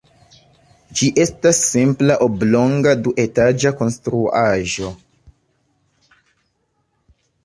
Ĝi estas simpla oblonga duetaĝa konstruaĵo.